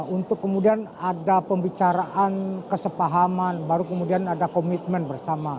untuk kemudian ada pembicaraan kesepahaman baru kemudian ada komitmen bersama